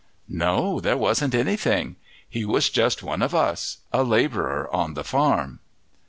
"No, there wasn't anything. He was just one of us, a labourer on the farm."